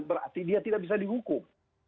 berarti dia tidak bisa dihukum